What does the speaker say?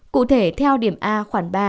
cụ thể theo điểm a khoản ba